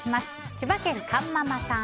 千葉県の方。